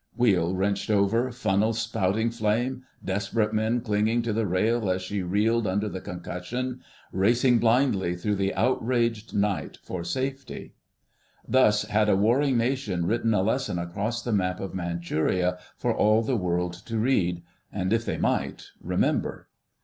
Wheel wrenched over, funnels spouting flame, desperate men clinging to the rail as she reeled under the concussion, racing blindly through the outraged night for safety. Thus had a warring Nation written a lesson across the map of Manchuria for all the world to read—and, if they might, remember.